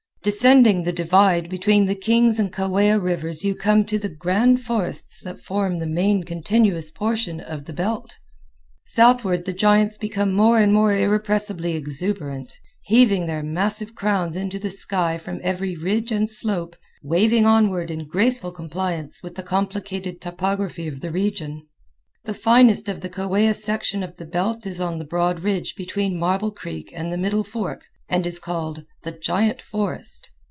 Descending the divide between the Kings and Kaweah Rivers you come to the grand forests that form the main continuous portion of the belt. Southward the giants become more and more irrepressibly exuberant, heaving their massive crowns into the sky from every ridge and slope, waving onward in graceful compliance with the complicated topography of the region. The finest of the Kaweah section of the belt is on the broad ridge between Marble Creek and the middle fork, and is called the Giant Forest.